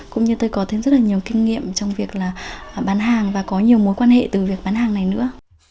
cũng như tôi có thêm rất là nhiều kinh nghiệm trong việc là bán hàng và có nhiều mối quan hệ từ việc bán hàng này nữa